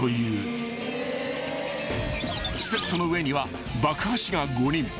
［セットの上には爆破師が５人］